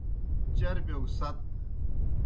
چربِیو گہ ست۔